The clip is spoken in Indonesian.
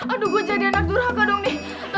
aduh gua jadi anak durhaka dong nih